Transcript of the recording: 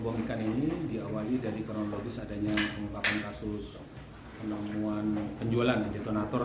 bom ikan ini diawali dari kronologis adanya penumpakan kasus penemuan penjualan detonator